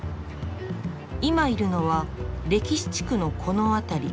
今いるのは歴史地区のこの辺り。